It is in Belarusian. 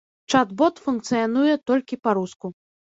Чат-бот функцыянуе толькі па-руску.